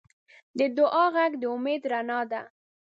د دعا غږ د امید رڼا ده.